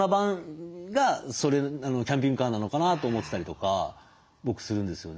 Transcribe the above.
キャンピングカーなのかなと思ってたりとか僕するんですよね。